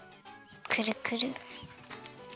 くるくる。